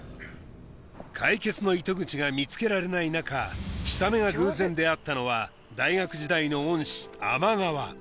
解決の糸口が見つけられない中氷雨が偶然出会ったのは大学時代の恩師天川